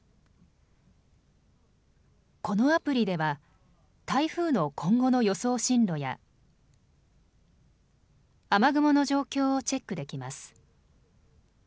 このアプリでは台風の今後の予想進路や雨雲の状況をチェックできます。